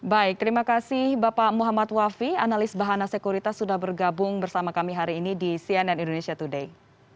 baik terima kasih bapak muhammad wafi analis bahana sekuritas sudah bergabung bersama kami hari ini di cnn indonesia today